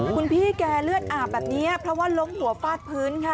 คุณพี่แกเลือดอาบแบบนี้เพราะว่าล้มหัวฟาดพื้นค่ะ